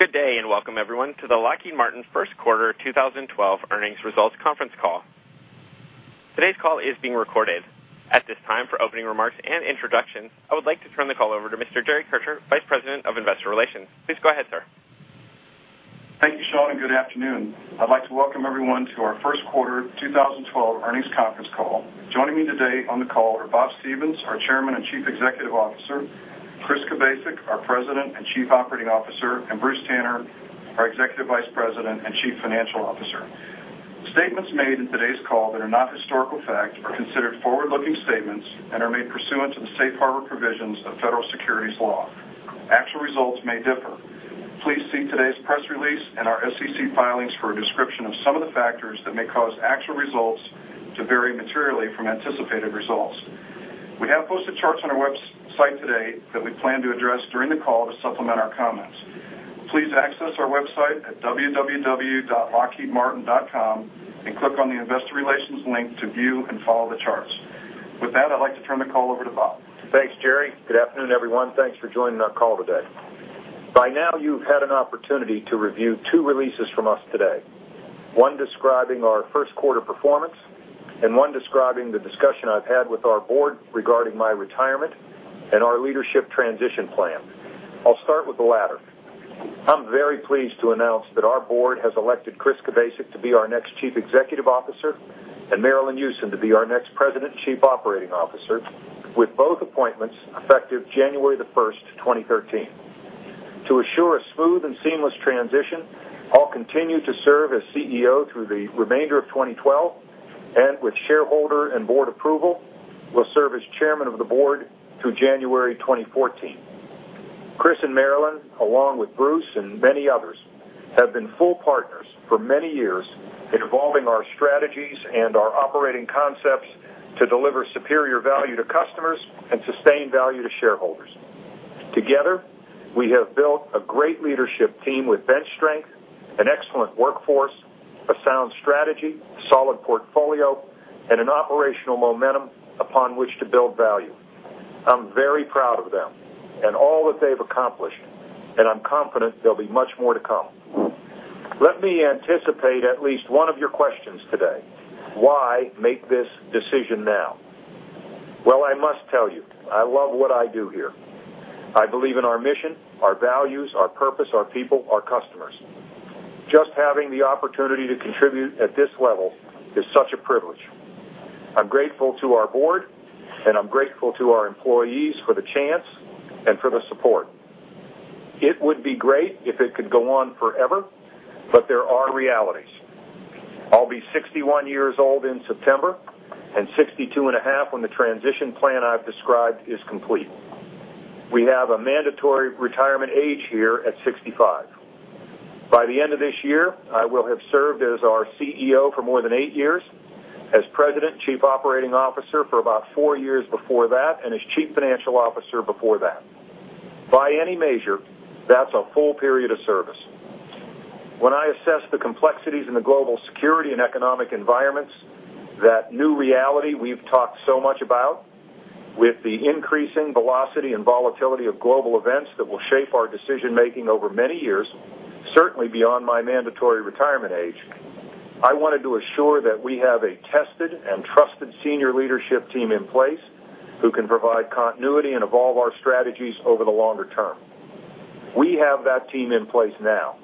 Good day and welcome, everyone, to the Lockheed Martin First Quarter 2012 Earnings Results Conference Call. Today's call is being recorded. At this time, for opening remarks and introductions, I would like to turn the call over to Mr. Jerry Kircher, Vice President of Investor Relations. Please go ahead, sir. Thank you, Sean, and good afternoon. I'd like to welcome everyone to our First Quarter 2012 Earnings Conference Call. Joining me today on the call are Bob Stevens, our Chairman and Chief Executive Officer, Chris Kubasik, our President and Chief Operating Officer, and Bruce Tanner, our Executive Vice President and Chief Financial Officer. The statements made in today's call that are not historical fact are considered forward-looking statements and are made pursuant to the Safe Harbor provisions of Federal Securities Law. Actual results may differ. Please see today's press release and our SEC filings for a description of some of the factors that may cause actual results to vary materially from anticipated results. We have posted charts on our website today that we plan to address during the call to supplement our comments. Please access our website at www.lockheedmartin.com and click on the Investor Relations link to view and follow the charts. With that, I'd like to turn the call over to Bob. Thanks, Jerry. Good afternoon, everyone. Thanks for joining our call today. By now, you've had an opportunity to review two releases from us today, one describing our first quarter performance and one describing the discussion I've had with our board regarding my retirement and our leadership transition plan. I'll start with the latter. I'm very pleased to announce that our board has elected Chris Kubasik to be our next Chief Executive Officer and Marillyn Hewson to be our next President and Chief Operating Officer, with both appointments effective January 1st, 2013. To assure a smooth and seamless transition, I'll continue to serve as CEO through the remainder of 2012 and, with shareholder and board approval, will serve as Chairman of the Board through January 2014. Chris and Marillyn, along with Bruce and many others, have been full partners for many years in evolving our strategies and our operating concepts to deliver superior value to customers and sustained value to shareholders. Together, we have built a great leadership team with bench strength, an excellent workforce, a sound strategy, solid portfolio, and an operational momentum upon which to build value. I'm very proud of them and all that they've accomplished, and I'm confident there'll be much more to come. Let me anticipate at least one of your questions today. Why make this decision now? I must tell you, I love what I do here. I believe in our mission, our values, our purpose, our people, our customers. Just having the opportunity to contribute at this level is such a privilege. I'm grateful to our board, and I'm grateful to our employees for the chance and for the support. It would be great if it could go on forever, but there are realities. I'll be 61 years old in September and 62.5 when the transition plan I've described is complete. We have a mandatory retirement age here at 65. By the end of this year, I will have served as our CEO for more than eight years, as President and Chief Operating Officer for about four years before that, and as Chief Financial Officer before that. By any measure, that's a full period of service. When I assess the complexities in the global security and economic environments, that new reality we've talked so much about, with the increasing velocity and volatility of global events that will shape our decision-making over many years, certainly beyond my mandatory retirement age, I wanted to assure that we have a tested and trusted senior leadership team in place who can provide continuity and evolve our strategies over the longer term. We have that team in place now,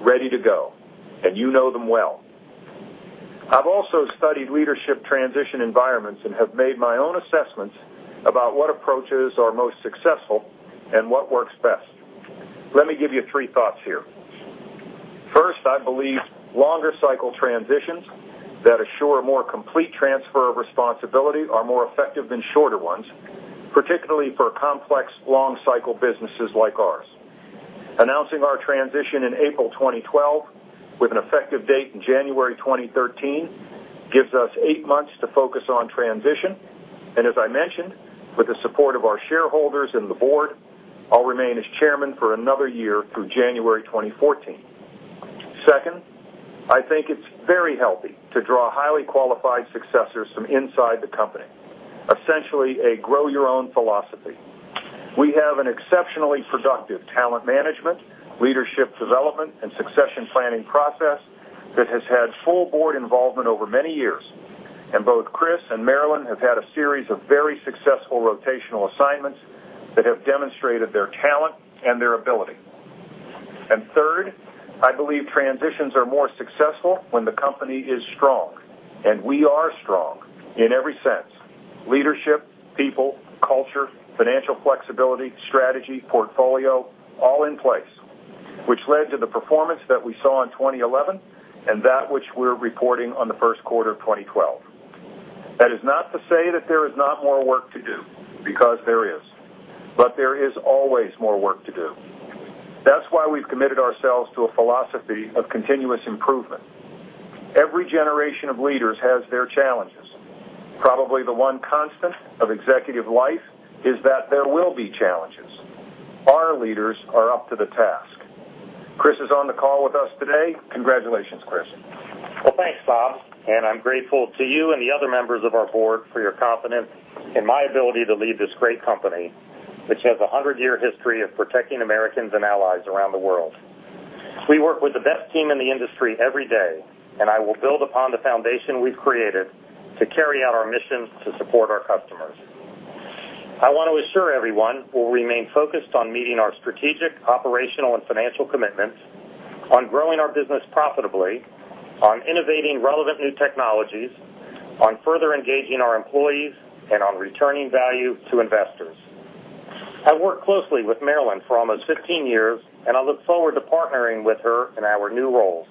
ready to go, and you know them well. I've also studied leadership transition environments and have made my own assessments about what approaches are most successful and what works best. Let me give you three thoughts here. First, I believe longer cycle transitions that assure a more complete transfer of responsibility are more effective than shorter ones, particularly for complex, long cycle businesses like ours. Announcing our transition in April 2012 with an effective date in January 2013 gives us eight months to focus on transition, and as I mentioned, with the support of our shareholders and the board, I'll remain as Chairman for another year through January 2014. Second, I think it's very healthy to draw highly qualified successors from inside the company, essentially a grow-your-own philosophy. We have an exceptionally productive talent management, leadership development, and succession planning process that has had full board involvement over many years, and both Chris and Marillyn have had a series of very successful rotational assignments that have demonstrated their talent and their ability. Third, I believe transitions are more successful when the company is strong, and we are strong in every sense: leadership, people, culture, financial flexibility, strategy, portfolio, all in place, which led to the performance that we saw in 2011 and that which we're reporting on the first quarter of 2012. That is not to say that there is not more work to do, because there is, but there is always more work to do. That's why we've committed ourselves to a philosophy of continuous improvement. Every generation of leaders has their challenges. Probably the one constant of executive life is that there will be challenges. Our leaders are up to the task. Chris is on the call with us today. Congratulations, Chris. Thank you, Bob. I'm grateful to you and the other members of our board for your confidence in my ability to lead this great company, which has a hundred-year history of protecting Americans and allies around the world. We work with the best team in the industry every day, and I will build upon the foundation we've created to carry out our mission to support our customers. I want to assure everyone we'll remain focused on meeting our strategic, operational, and financial commitments, on growing our business profitably, on innovating relevant new technologies, on further engaging our employees, and on returning value to investors. I've worked closely with Marillyn for almost 15 years, and I look forward to partnering with her in our new roles.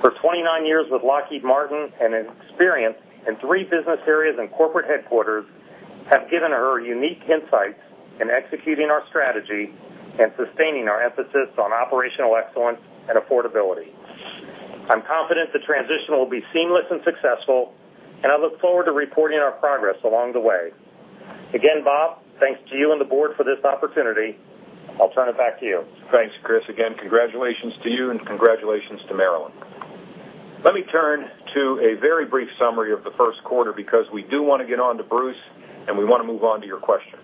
For 29 years with Lockheed Martin and experience in three business areas and corporate headquarters, I've given her unique insights in executing our strategy and sustaining our emphasis on operational excellence and affordability. I'm confident the transition will be seamless and successful, and I look forward to reporting our progress along the way. Again, Bob, thank you to you and the board for this opportunity. I'll turn it back to you. Thanks, Chris. Again, congratulations to you and congratulations to Marillyn. Let me turn to a very brief summary of the first quarter because we do want to get on to Bruce, and we want to move on to your questions.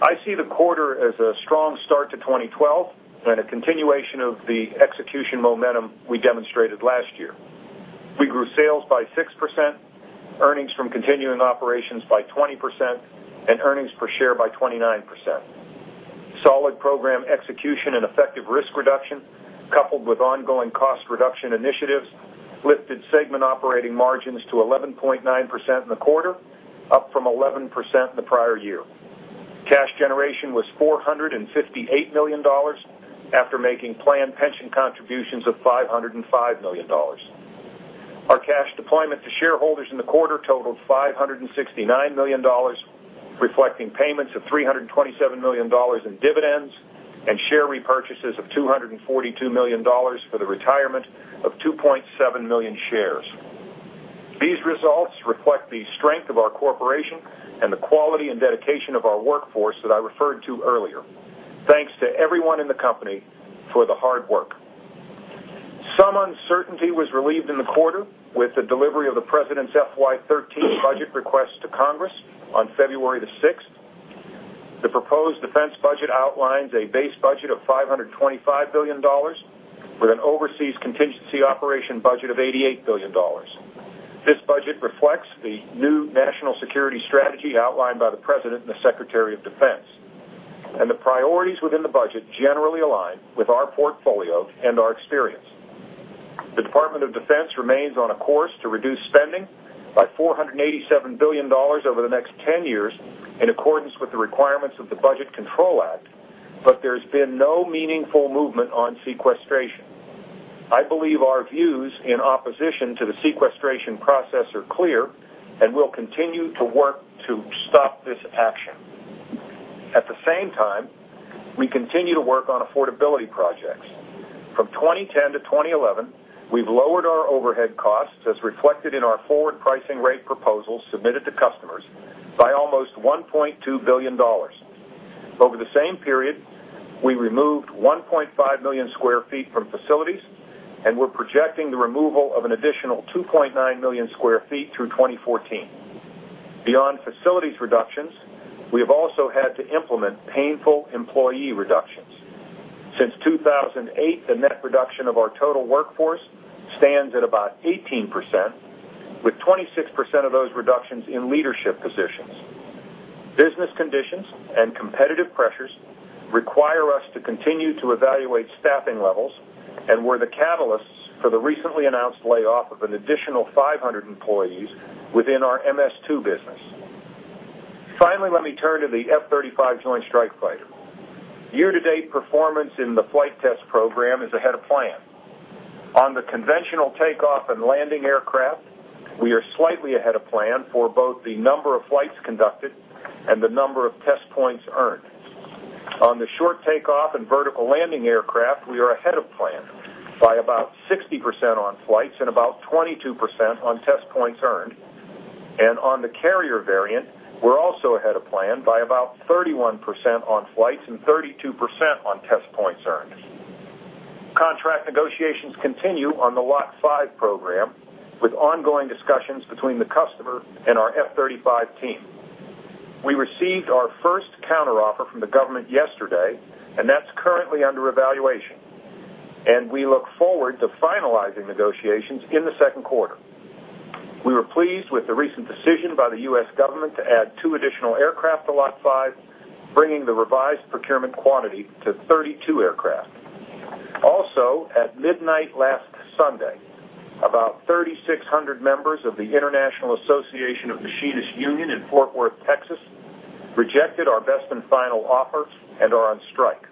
I see the quarter as a strong start to 2012 and a continuation of the execution momentum we demonstrated last year. We grew sales by 6%, earnings from continuing operations by 20%, and earnings per share by 29%. Solid program execution and effective risk reduction, coupled with ongoing cost reduction initiatives, lifted segment operating margins to 11.9% in the quarter, up from 11% in the prior year. Cash generation was $458 million after making planned pension contributions of $505 million. Our cash deployment to shareholders in the quarter totaled $569 million, reflecting payments of $327 million in dividends and share repurchases of $242 million for the retirement of 2.7 million shares. These results reflect the strength of our corporation and the quality and dedication of our workforce that I referred to earlier. Thanks to everyone in the company for the hard work. Some uncertainty was relieved in the quarter with the delivery of the President's FY 2013 budget request to Congress on February 6th. The proposed defense budget outlines a base budget of $525 billion with an overseas contingency operation budget of $88 billion. This budget reflects the new national security strategy outlined by the President and the Secretary of Defense, and the priorities within the budget generally align with our portfolio and our experience. The Department of Defense remains on a course to reduce spending by $487 billion over the next 10 years in accordance with the requirements of the Budget Control Act, but there's been no meaningful movement on sequestration. I believe our views in opposition to the sequestration process are clear and will continue to work to stop this action. At the same time, we continue to work on affordability projects. From 2010-2011, we've lowered our overhead costs, as reflected in our forward pricing rate proposals submitted to customers, by almost $1.2 billion. Over the same period, we removed 1.5 million sq. ft from facilities and we're projecting the removal of an additional 2.9 million sq. ft through 2014. Beyond facilities reductions, we have also had to implement painful employee reductions. Since 2008, the net reduction of our total workforce stands at about 18%, with 26% of those reductions in leadership positions. Business conditions and competitive pressures require us to continue to evaluate staffing levels, and we're the catalysts for the recently announced layoff of an additional 500 employees within our MS2 business. Finally, let me turn to the F-35 Joint Strike Fighter. Year-to-date performance in the flight test program is ahead of plan. On the conventional takeoff and landing aircraft, we are slightly ahead of plan for both the number of flights conducted and the number of test points earned. On the short takeoff and vertical landing aircraft, we are ahead of plan by about 60% on flights and about 22% on test points earned, and on the carrier variant, we're also ahead of plan by about 31% on flights and 32% on test points earned. Contract negotiations continue on the Lot 5 program with ongoing discussions between the customer and our F-35 team. We received our first counteroffer from the government yesterday, and that's currently under evaluation, and we look forward to finalizing negotiations in the second quarter. We were pleased with the recent decision by the U.S. government to add two additional aircraft to Lot 5, bringing the revised procurement quantity to 32 aircraft. Also, at midnight last Sunday, about 3,600 members of the International Association of Machinists in Fort Worth, Texas, rejected our best and final offers and are on strike.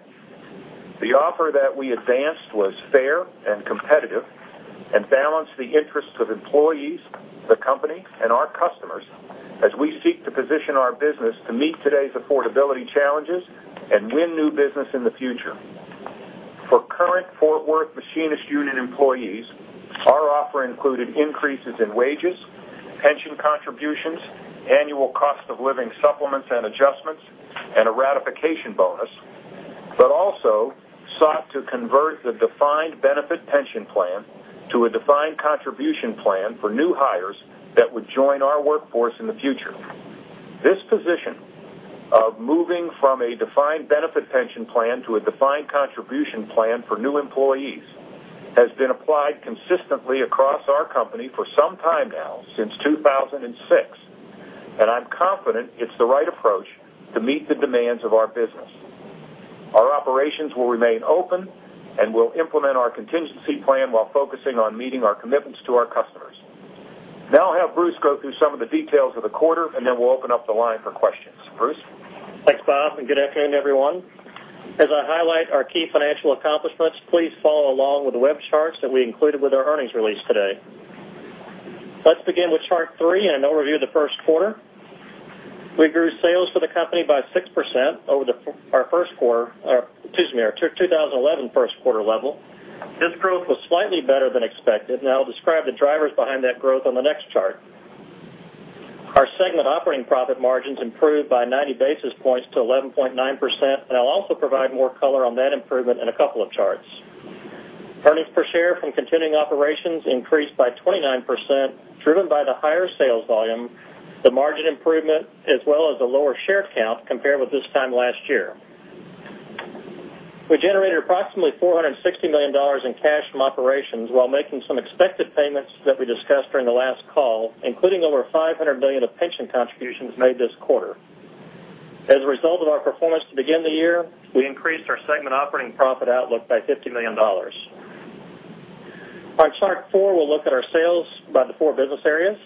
The offer that we advanced was fair and competitive and balanced the interests of employees, the company, and our customers as we seek to position our business to meet today's affordability challenges and win new business in the future. For current Fort Worth Machinists Union employees, our offer included increases in wages, pension contributions, annual cost of living supplements and adjustments, and a ratification bonus, but also sought to convert the defined benefit pension plan to a defined contribution plan for new hires that would join our workforce in the future. This position of moving from a defined benefit pension plan to a defined contribution plan for new employees has been applied consistently across our company for some time now, since 2006, and I'm confident it's the right approach to meet the demands of our business. Our operations will remain open and we'll implement our contingency plan while focusing on meeting our commitments to our customers. Now I'll have Bruce go through some of the details of the quarter, and then we'll open up the line for questions. Bruce? Thanks, Bob, and good afternoon, everyone. As I highlight our key financial accomplishments, please follow along with the web charts that we included with our earnings release today. Let's begin with chart three and an overview of the first quarter. We grew sales for the company by 6% over our 2011 first quarter level. This growth was slightly better than expected, and I'll describe the drivers behind that growth on the next chart. Our segment operating profit margins improved by 90 basis points to 11.9%, and I'll also provide more color on that improvement in a couple of charts. Earnings per share from continuing operations increased by 29%, driven by the higher sales volume, the margin improvement, as well as a lower share count compared with this time last year. We generated approximately $460 million in cash from operations while making some expected payments that we discussed during the last call, including over $500 million of pension contributions made this quarter. As a result of our performance to begin the year, we increased our segment operating profit outlook by $50 million. On chart four, we'll look at our sales by the four business areas.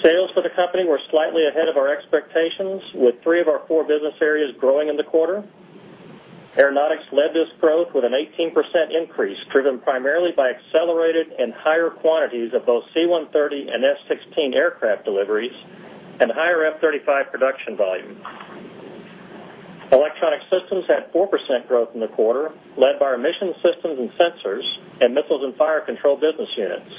Sales for the company were slightly ahead of our expectations, with three of our core business areas growing in the quarter. Aeronautics led this growth with an 18% increase, driven primarily by accelerated and higher quantities of both C-130 and F-16 aircraft deliveries and higher F-35 production volume. Electronic Systems had 4% growth in the quarter, led by our Mission Systems and Sensors and Missiles and Fire Control business units.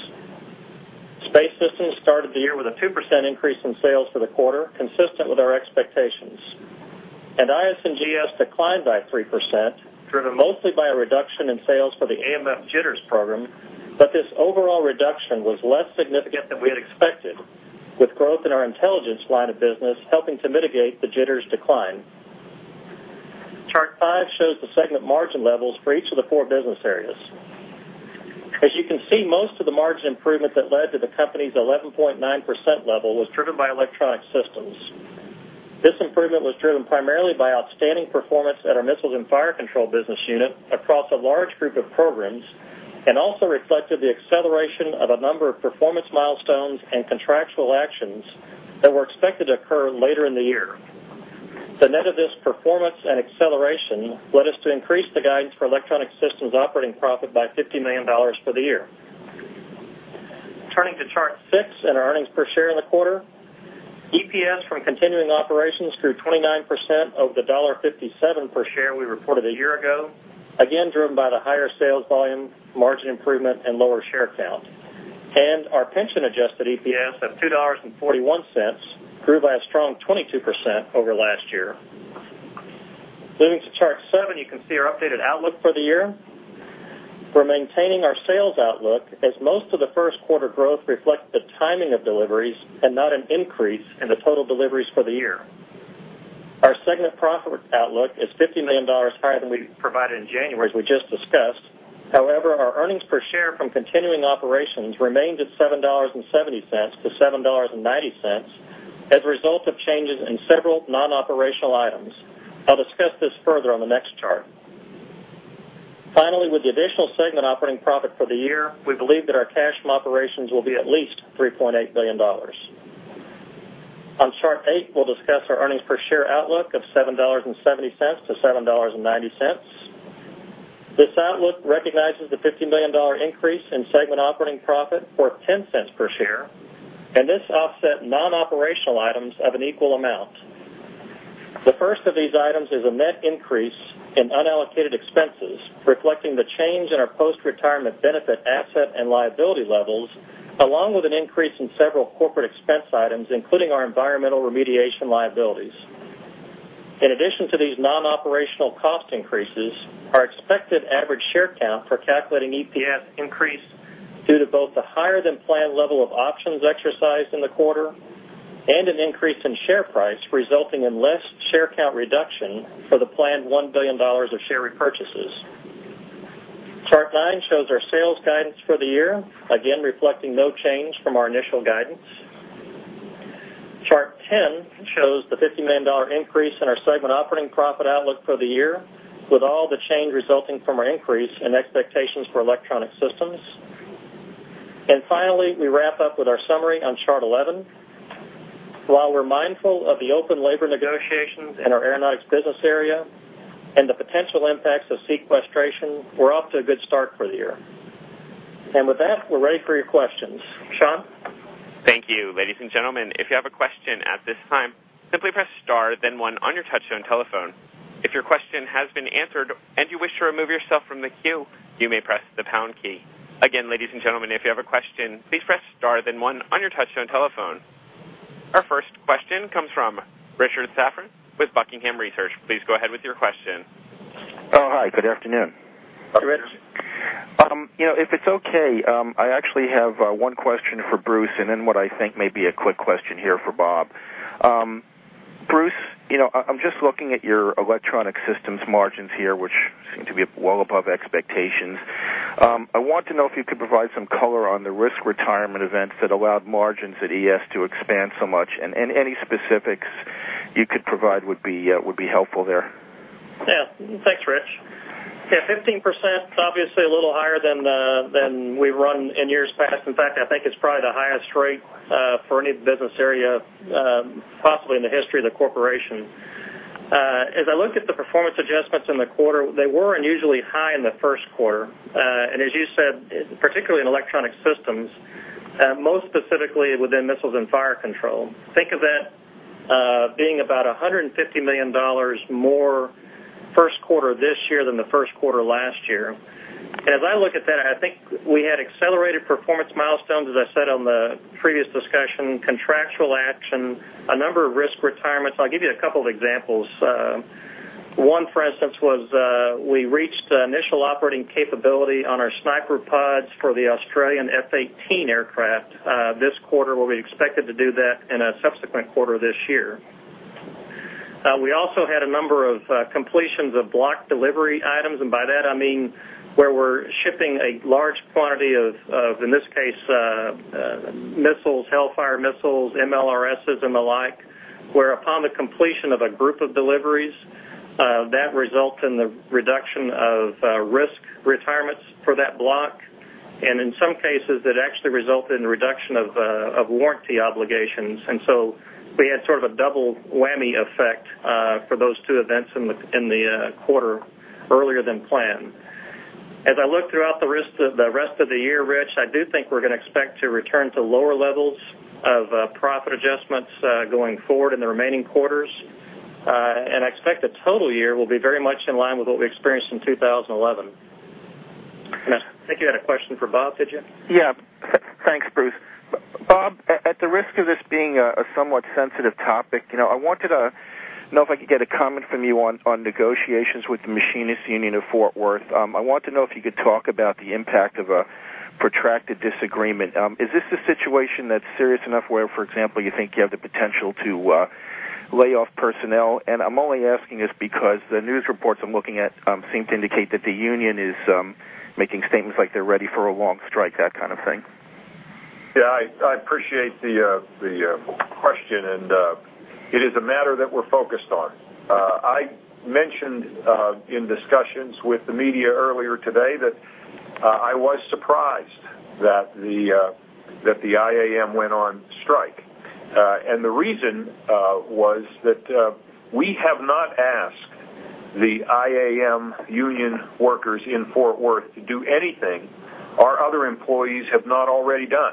Space Systems started the year with a 2% increase in sales for the quarter, consistent with our expectations. IS and GS declined by 3%, driven mostly by a reduction in sales for the AMF JTRS program, but this overall reduction was less significant than we had expected, with growth in our intelligence line of business helping to mitigate the Jitters decline. Chart five shows the segment margin levels for each of the four business areas. As you can see, most of the margin improvement that led to the company's 11.9% level was driven by Electronic Systems. This improvement was driven primarily by outstanding performance at our Missiles and Fire Control business unit across a large group of programs and also reflected the acceleration of a number of performance milestones and contractual actions that were expected to occur later in the year. The net of this performance and acceleration led us to increase the guidance for Electronic Systems operating profit by $50 million for the year. Turning to chart six and our earnings per share in the quarter, EPS from continuing operations grew 29% over the $1.57 per share we reported a year ago, again driven by the higher sales volume, margin improvement, and lower share count. Our pension-adjusted EPS at $2.41 grew by a strong 22% over last year. Moving to chart seven, you can see our updated outlook for the year. We're maintaining our sales outlook as most of the first quarter growth reflects the timing of deliveries and not an increase in the total deliveries for the year. Our segment profit outlook is $50 million higher than we provided in January, as we just discussed. However, our earnings per share from continuing operations remains at $7.70-$7.90 as a result of changes in several non-operational items. I'll discuss this further on the next chart. Finally, with the additional segment operating profit for the year, we believe that our cash from operations will be at least $3.8 billion. On chart eight, we'll discuss our earnings per share outlook of $7.70-$7.90. This outlook recognizes the $50 million increase in segment operating profit for $0.10 per share, and this offset non-operational items of an equal amount. The first of these items is a net increase in unallocated expenses, reflecting the change in our post-retirement benefit asset and liability levels, along with an increase in several corporate expense items, including our environmental remediation liabilities. In addition to these non-operational cost increases, our expected average share count for calculating EPS increased due to both the higher than planned level of options exercised in the quarter and an increase in share price, resulting in less share count reduction for the planned $1 billion of share repurchases. Chart nine shows our sales guidance for the year, again reflecting no change from our initial guidance. Chart 10 shows the $50 million increase in our segment operating profit outlook for the year, with all the change resulting from our increase in expectations for Electronic Systems. Finally, we wrap up with our summary on chart 11. While we're mindful of the open labor negotiations in our Aeronautics business area and the potential impacts of sequestration, we're off to a good start for the year. With that, we're ready for your questions. Sean? Thank you. Ladies and gentlemen, if you have a question at this time, simply press star then one on your touch-tone telephone. If your question has been answered and you wish to remove yourself from the queue, you may press the pound key. Again, ladies and gentlemen, if you have a question, please press star then one on your touch-tone telephone. Our first question comes from Richard Safran with Buckingham Research. Please go ahead with your question. Oh, hi. Good afternoon. Hi, Richard. You know, if it's okay, I actually have one question for Bruce and then what I think may be a quick question here for Bob. Bruce, you know, I'm just looking at your Electronic Systems margins here, which seem to be well above expectations. I want to know if you could provide some color on the risk retirement events that allowed margins at ES to expand so much, and any specifics you could provide would be helpful there. Yeah. Thanks, Rich. Yeah, 15% is obviously a little higher than we've run in years past. In fact, I think it's probably the highest rate for any business area possibly in the history of the corporation. As I look at the performance adjustments in the quarter, they were unusually high in the first quarter, and as you said, particularly in Electronic Systems, most specifically within Missiles and Fire Control. Think of that being about $150 million more first quarter this year than the first quarter last year. As I look at that, I think we had accelerated performance milestones, as I said on the previous discussion, contractual action, a number of risk retirements. I'll give you a couple of examples. One, for instance, was we reached initial operating capability on our Sniper pods for the Australian F-18 aircraft this quarter. We'd be expected to do that in a subsequent quarter this year. We also had a number of completions of block delivery items, and by that, I mean where we're shipping a large quantity of, in this case, missiles, Hellfire missiles, MLRSs, and the like, where upon the completion of a group of deliveries, that results in the reduction of risk retirements for that block, and in some cases, it actually resulted in the reduction of warranty obligations. We had sort of a double whammy effect for those two events in the quarter earlier than planned. As I look throughout the rest of the year, Rich, I do think we're going to expect to return to lower levels of profit adjustments going forward in the remaining quarters, and I expect the total year will be very much in line with what we experienced in 2011. I think you had a question for Bob, did you? Yeah. Thanks, Bruce. Bob, at the risk of this being a somewhat sensitive topic, I wanted to know if I could get a comment from you on negotiations with the International Association of Machinists of Fort Worth. I want to know if you could talk about the impact of a protracted disagreement. Is this a situation that's serious enough where, for example, you think you have the potential to lay off personnel? I'm only asking this because the news reports I'm looking at seem to indicate that the union is making statements like they're ready for a long strike, that kind of thing. Yeah, I appreciate the question, and it is a matter that we're focused on. I mentioned in discussions with the media earlier today that I was surprised that the IAM went on strike, and the reason was that we have not asked the IAM union workers in Fort Worth to do anything our other employees have not already done.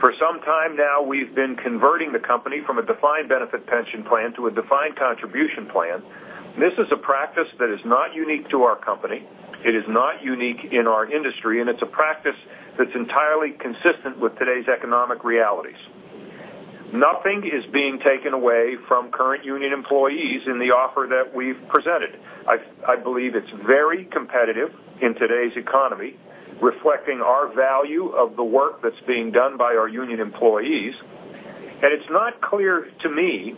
For some time now, we've been converting the company from a defined benefit pension plan to a defined contribution plan. This is a practice that is not unique to our company. It is not unique in our industry, and it's a practice that's entirely consistent with today's economic realities. Nothing is being taken away from current union employees in the offer that we've presented. I believe it's very competitive in today's economy, reflecting our value of the work that's being done by our union employees, and it's not clear to me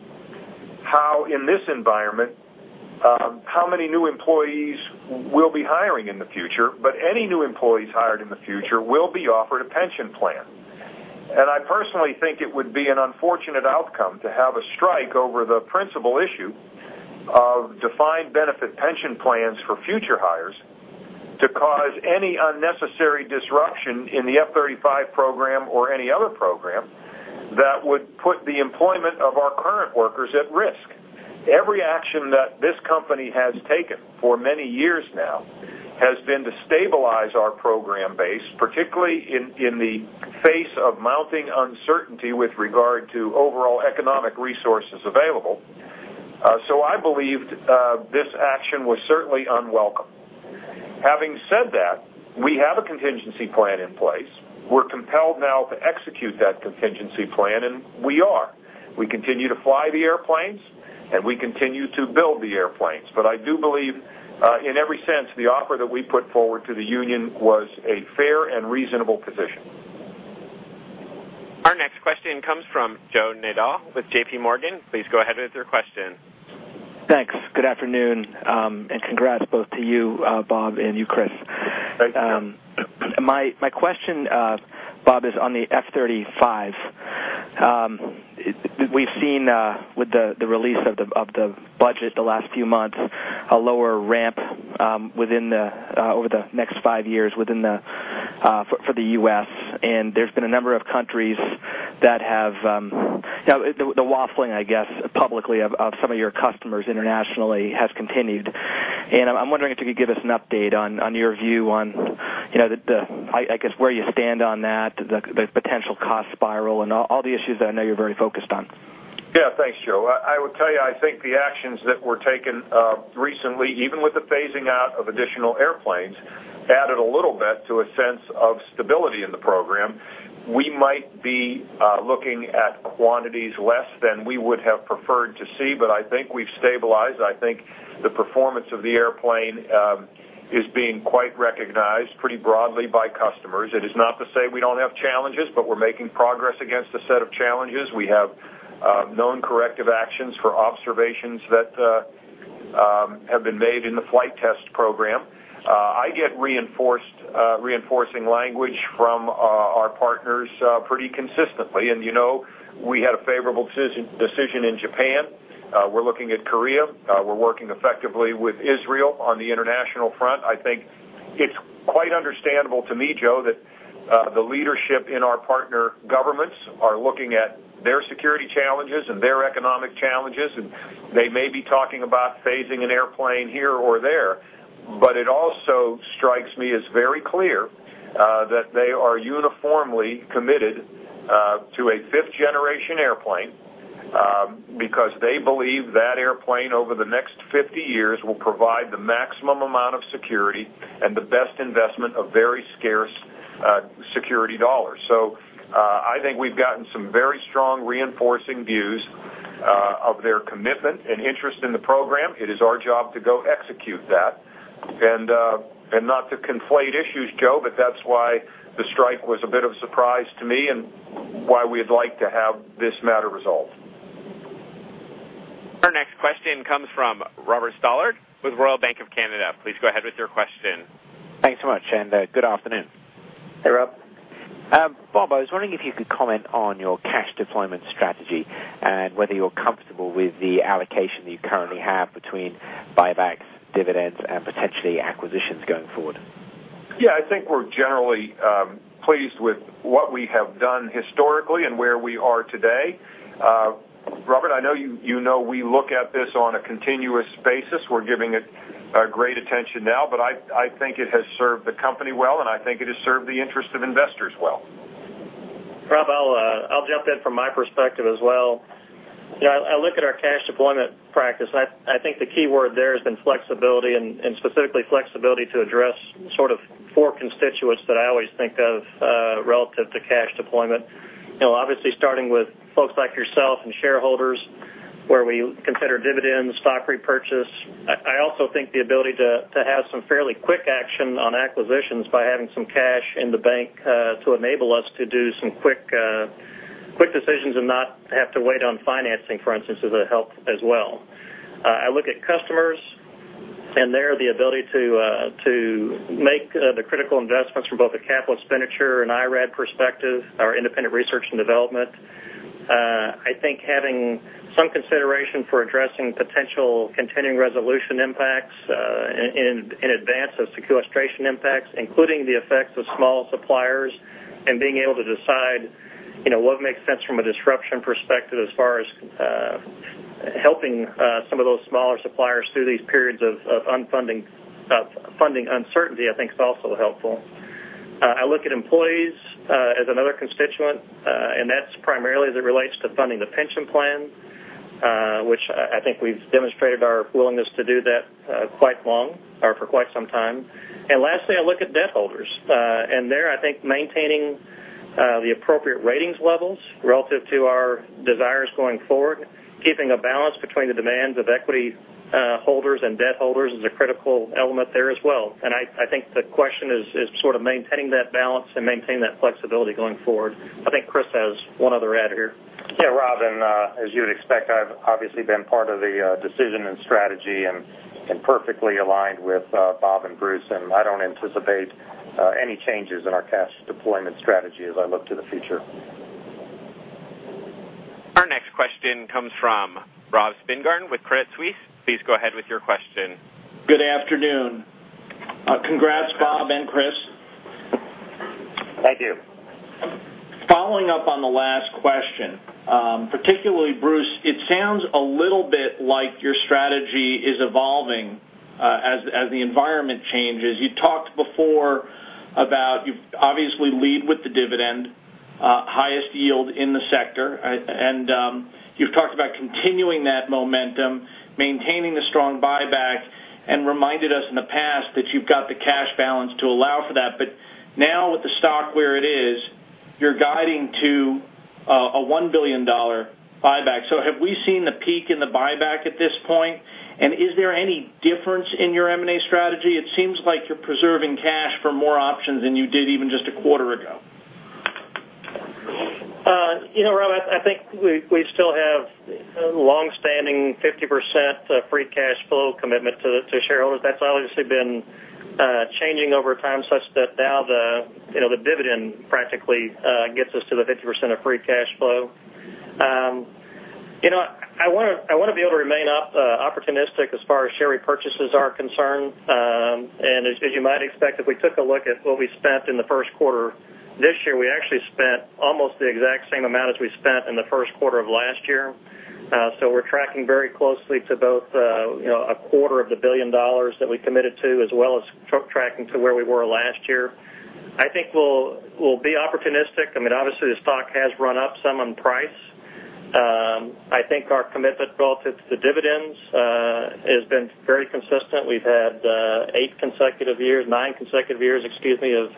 how, in this environment, how many new employees we'll be hiring in the future, but any new employees hired in the future will be offered a pension plan. I personally think it would be an unfortunate outcome to have a strike over the principal issue of defined benefit pension plans for future hires to cause any unnecessary disruption in the F-35 program or any other program that would put the employment of our current workers at risk. Every action that this company has taken for many years now has been to stabilize our program base, particularly in the face of mounting uncertainty with regard to overall economic resources available. I believe this action was certainly unwelcome. Having said that, we have a contingency plan in place. We're compelled now to execute that contingency plan, and we are. We continue to fly the airplanes, and we continue to build the airplanes, but I do believe in every sense the offer that we put forward to the union was a fair and reasonable position. Our next question comes from Joe Nadol with JPMorgan. Please go ahead with your question. Thanks. Good afternoon, and congrats both to you, Bob, and you, Chris. Thank you. My question, Bob, is on the F-35. We've seen with the release of the budget the last few months a lower ramp within the over the next five years for the U.S., and there's been a number of countries that have the waffling, I guess, publicly of some of your customers internationally has continued. I'm wondering if you could give us an update on your view on, you know, I guess where you stand on that, the potential cost spiral, and all the issues that I know you're very focused on. Yeah, thanks, Joe. I will tell you, I think the actions that were taken recently, even with the phasing out of additional airplanes, added a little bit to a sense of stability in the program. We might be looking at quantities less than we would have preferred to see, but I think we've stabilized. I think the performance of the airplane is being quite recognized pretty broadly by customers. It is not to say we don't have challenges, but we're making progress against a set of challenges. We have known corrective actions for observations that have been made in the flight test program. I get reinforcing language from our partners pretty consistently, and you know we had a favorable decision in Japan. We're looking at Korea. We're working effectively with Israel on the international front. I think it's quite understandable to me, Joe, that the leadership in our partner governments are looking at their security challenges and their economic challenges, and they may be talking about phasing an airplane here or there, but it also strikes me as very clear that they are uniformly committed to a fifth-generation airplane because they believe that airplane over the next 50 years will provide the maximum amount of security and the best investment of very scarce security dollars. I think we've gotten some very strong reinforcing views of their commitment and interest in the program. It is our job to go execute that and not to conflate issues, Joe, but that's why the strike was a bit of a surprise to me and why we'd like to have this matter resolved. Our next question comes from Robert Sluymer with Royal Bank of Canada. Please go ahead with your question. Thanks so much, and good afternoon. Hey, Rob. Bob, I was wondering if you could comment on your cash deployment strategy and whether you're comfortable with the allocation that you currently have between buybacks, dividends, and potentially acquisitions going forward. Yeah, I think we're generally pleased with what we have done historically and where we are today. Robert, I know you know we look at this on a continuous basis. We're giving it great attention now, but I think it has served the company well, and I think it has served the interests of investors well. Rob, I'll jump in from my perspective as well. I look at our cash deployment practice, and I think the key word there has been flexibility, and specifically flexibility to address the sort of four constituents that I always think of relative to cash deployment. Obviously, starting with folks like yourself and shareholders, where we consider dividends, stock repurchase. I also think the ability to have some fairly quick action on acquisitions by having some cash in the bank to enable us to do some quick decisions and not have to wait on financing, for instance, is a help as well. I look at customers and their ability to make the critical investments from both a capital expenditure and IRAD perspective, our independent research and development. I think having some consideration for addressing potential continuing resolution impacts in advance of sequestration impacts, including the effects of small suppliers and being able to decide what makes sense from a disruption perspective as far as helping some of those smaller suppliers through these periods of funding uncertainty, I think is also helpful. I look at employees as another constituent, and that's primarily as it relates to funding the pension plan, which I think we've demonstrated our willingness to do that for quite some time. Lastly, I look at debt holders, and there I think maintaining the appropriate ratings levels relative to our desires going forward, keeping a balance between the demands of equity holders and debt holders is a critical element there as well. I think the question is sort of maintaining that balance and maintaining that flexibility going forward. I think Chris has one other add here. Yeah, Rob, as you'd expect, I've obviously been part of the decision and strategy and perfectly aligned with Bob and Bruce. I don't anticipate any changes in our cash deployment strategy as I look to the future. Our next question comes from Rob Spingarn with Credit Suisse. Please go ahead with your question. Good afternoon. Congrats, Bob and Chris. Thank you. Following up on the last question, particularly Bruce, it sounds a little bit like your strategy is evolving as the environment changes. You talked before about you obviously lead with the dividend, highest yield in the sector, and you've talked about continuing that momentum, maintaining the strong buyback, and reminded us in the past that you've got the cash balance to allow for that. Now with the stock where it is, you're guiding to a $1 billion buyback. Have we seen the peak in the buyback at this point, and is there any difference in your M&A strategy? It seems like you're preserving cash for more options than you did even just a quarter ago. You know, Rob, I think we still have a longstanding 50% free cash flow commitment to shareholders. That's obviously been changing over time, such that now the dividend practically gets us to the 50% of free cash flow. I want to be able to remain opportunistic as far as share repurchases are concerned, and as you might expect, if we took a look at what we spent in the first quarter this year, we actually spent almost the exact same amount as we spent in the first quarter of last year. We're tracking very closely to both, you know, a quarter of the billion dollars that we committed to as well as tracking to where we were last year. I think we'll be opportunistic. Obviously the stock has run up some on price. I think our commitment relative to dividends has been very consistent. We've had eight consecutive years, nine consecutive years, excuse me, of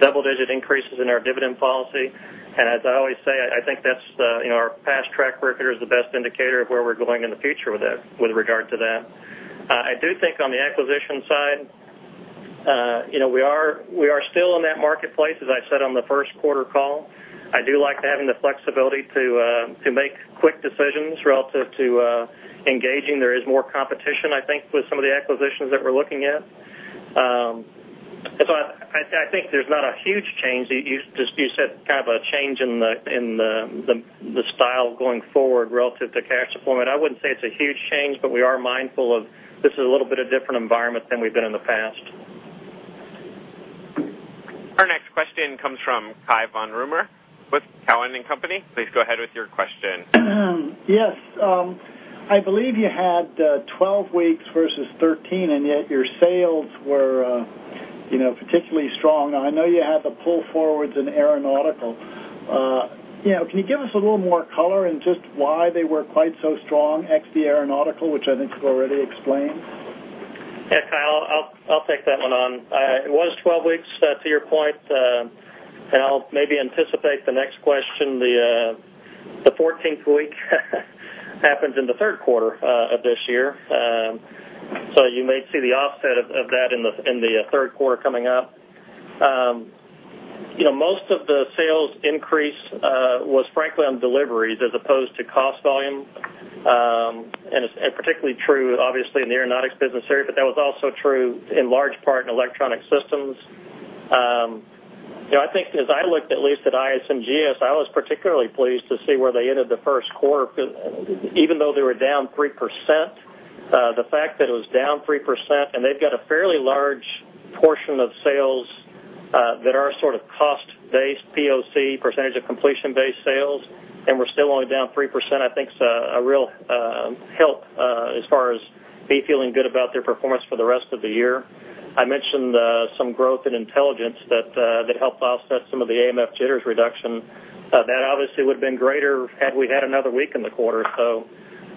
double-digit increases in our dividend policy, and as I always say, I think that's, you know, our past track record is the best indicator of where we're going in the future with regard to that. I do think on the acquisition side, we are still in that marketplace. As I said on the first quarter call, I do like having the flexibility to make quick decisions relative to engaging. There is more competition, I think, with some of the acquisitions that we're looking at. I think there's not a huge change. You said kind of a change in the style going forward relative to cash deployment. I wouldn't say it's a huge change, but we are mindful of this is a little bit of a different environment than we've been in the past. Our next question comes from Cai von Rumohr with Cowen & Company. Please go ahead with your question. Yes. I believe you had 12 weeks versus 13 weeks, and yet your sales were, you know, particularly strong. I know you had the pull forwards in Aeronautical. Can you give us a little more color in just why they were quite so strong ex the Aeronautical, which I think you've already explained? Yeah, Cai, I'll take that one on. It was 12 weeks, to your point, and I'll maybe anticipate the next question. The 14th week happens in the third quarter of this year, so you may see the offset of that in the third quarter coming up. Most of the sales increase was, frankly, on deliveries as opposed to cost volume, and it's particularly true, obviously, in the Aeronautics business area, but that was also true in large part in Electronic Systems. I think as I looked at least at IS and GS, I was particularly pleased to see where they ended the first quarter. Even though they were down 3%, the fact that it was down 3% and they've got a fairly large portion of sales that are sort of cost-based POC, percentage of completion-based sales, and we're still only down 3%, I think it's a real help as far as me feeling good about their performance for the rest of the year. I mentioned some growth in Intelligence that helped offset some of the AMF JTRS reduction. That obviously would have been greater had we had another week in the quarter, so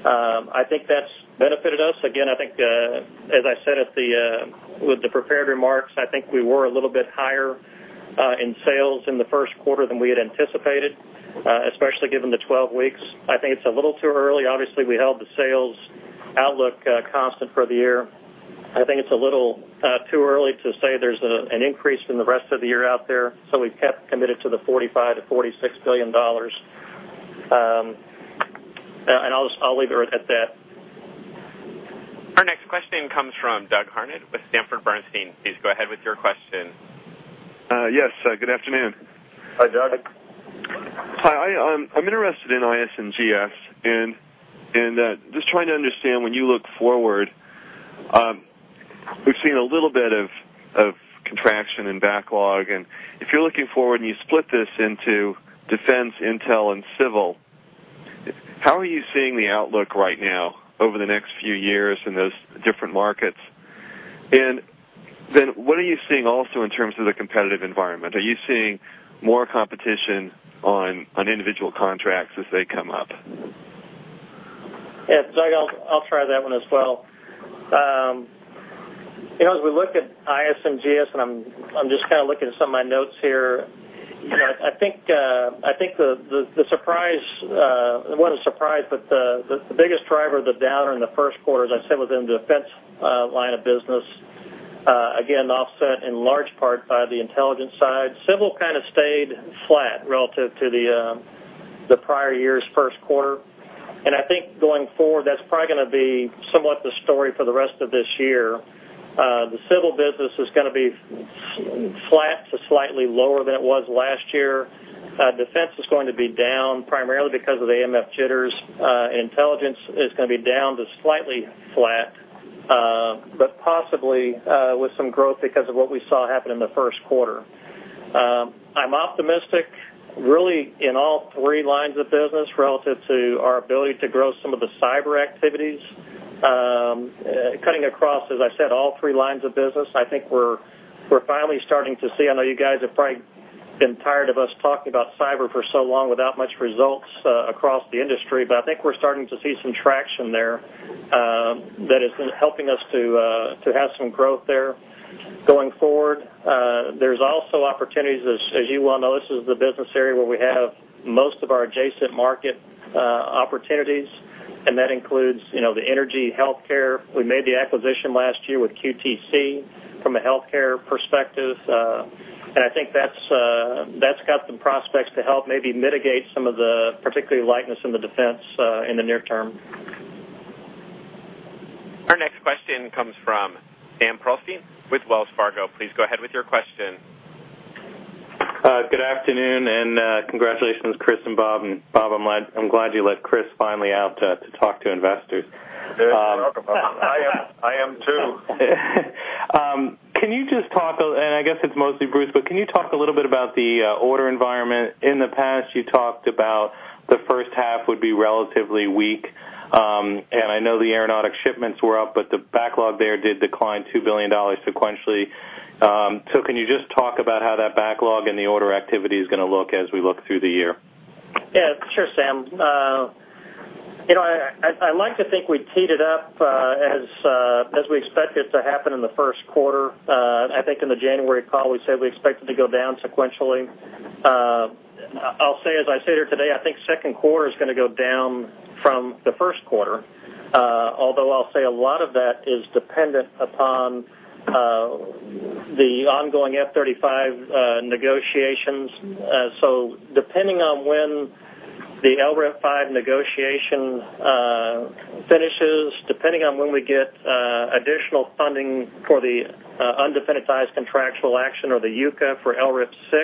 I think that's benefited us. I think, as I said with the prepared remarks, we were a little bit higher in sales in the first quarter than we had anticipated, especially given the 12 weeks. I think it's a little too early. Obviously, we held the sales outlook constant for the year. I think it's a little too early to say there's an increase in the rest of the year out there, so we've kept committed to the $45 million-$46 billion, and I'll just leave it at that. Our next question comes from Douglas Harned with Bernstein. Please go ahead with your question. Yes, good afternoon. Hi, Doug. Hi. I'm interested in IS and GS and just trying to understand when you look forward, we've seen a little bit of contraction in backlog. If you're looking forward and you split this into defense, intel, and civil, how are you seeing the outlook right now over the next few years in those different markets? What are you seeing also in terms of the competitive environment? Are you seeing more competition on individual contracts as they come up? Yeah, Doug, I'll try that one as well. As we look at IS and GS, and I'm just kind of looking at some of my notes here, I think the surprise, it wasn't a surprise, but the biggest driver of the downer in the first quarter, as I said, was in the defense line of business, again offset in large part by the intelligence side. Civil kind of stayed flat relative to the prior year's first quarter, and I think going forward, that's probably going to be somewhat the story for the rest of this year. The civil business is going to be flat to slightly lower than it was last year. Defense is going to be down primarily because of the AMFJTRS. Intelligence is going to be down to slightly flat, but possibly with some growth because of what we saw happen in the first quarter. I'm optimistic really in all three lines of business relative to our ability to grow some of the cyber activities, cutting across, as I said, all three lines of business. I think we're finally starting to see, I know you guys have probably been tired of us talking about cyber for so long without much results across the industry, but I think we're starting to see some traction there that is helping us to have some growth there going forward. There's also opportunities, as you well know, this is the business area where we have most of our adjacent market opportunities, and that includes the energy, healthcare. We made the acquisition last year with QTC from a healthcare perspective, and I think that's got some prospects to help maybe mitigate some of the particularly lightness in the defense in the near term. Our next question comes from Sam Prostine with Wells Fargo. Please go ahead with your question. Good afternoon, and congratulations, Chris and Bob. Bob, I'm glad you let Chris finally out to talk to investors. You're very welcome, Bob. I am too. Can you just talk, and I guess it's mostly Bruce, but can you talk a little bit about the order environment? In the past, you talked about the first half would be relatively weak, and I know the aeronautic shipments were up, but the backlog there did decline $2 billion sequentially. Can you just talk about how that backlog and the order activity is going to look as we look through the year? Yeah, sure, Sam. I'd like to think we'd teed it up as we expected it to happen in the first quarter. I think in the January call, we said we expected to go down sequentially. I'll say, as I sit here today, I think second quarter is going to go down from the first quarter, although I'll say a lot of that is dependent upon the ongoing F-35 negotiations. Depending on when the LRIP 5 negotiation finishes, depending on when we get additional funding for the undefinitized contractual action or the UCA for LRIP 6,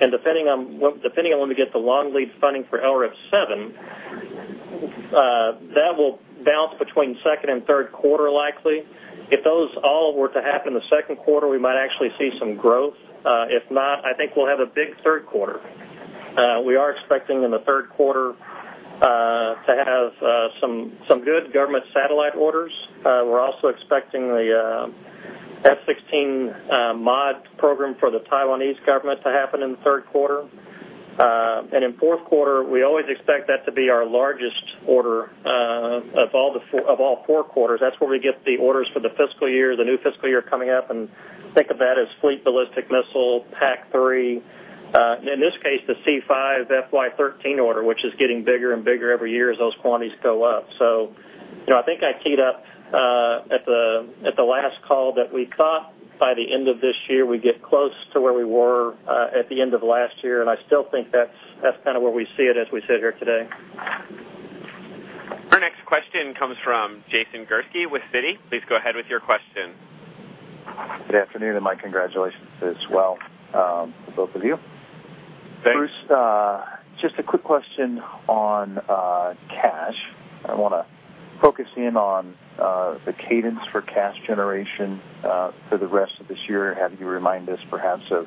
and depending on when we get the long lead funding for LRIP 7, that will bounce between second and third quarter likely. If those all were to happen in the second quarter, we might actually see some growth. If not, I think we'll have a big third quarter. We are expecting in the third quarter to have some good government satellite orders. We're also expecting the F-16 mod program for the Taiwanese government to happen in the third quarter, and in fourth quarter, we always expect that to be our largest order of all four quarters. That's where we get the orders for the fiscal year, the new fiscal year coming up, and think of that as fleet ballistic missile PAC-3, in this case, the C-5 FY-2013 order, which is getting bigger and bigger every year as those quantities go up. I think I teed up at the last call that we thought by the end of this year we'd get close to where we were at the end of last year, and I still think that's kind of where we see it as we sit here today. Our next question comes from Jason Gursky with Citi. Please go ahead with your question. Good afternoon, and my congratulations as well to both of you. Thanks. Bruce, just a quick question on cash. I want to focus in on the cadence for cash generation for the rest of this year. Can you remind us perhaps of